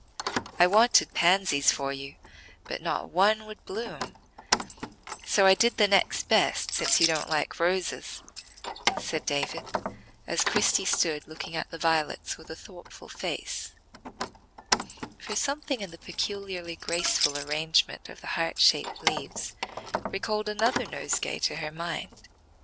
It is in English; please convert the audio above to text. "I wanted pansies for you, but not one would bloom; so I did the next best, since you don't like roses," said David, as Christie stood looking at the violets with a thoughtful face, for something in the peculiarly graceful arrangement of the heart shaped leaves recalled another nosegay to her mind.